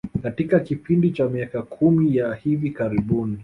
Katika kipindi cha miaka kumi ya hivi karibuni